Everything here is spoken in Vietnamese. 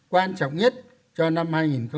quan trọng nhất cho năm hai nghìn hai mươi